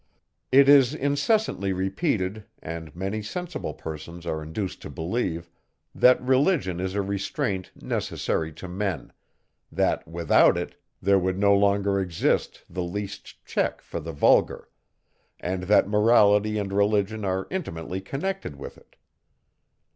It is incessantly repeated, and many sensible persons are induced to believe, that religion is a restraint necessary to men; that without it, there would no longer exist the least check for the vulgar; and that morality and religion are intimately connected with it.